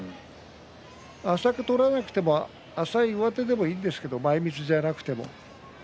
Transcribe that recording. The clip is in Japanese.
浅く取れなくても浅い上手でもいいんですけど前みつじゃなくても。